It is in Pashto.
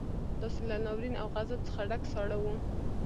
داسې له ناورين او غضب څخه ډک ساړه وو.